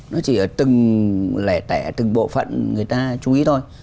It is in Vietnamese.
nó chỉ ở từng lẻ tẻ từng bộ phận người ta chú ý thôi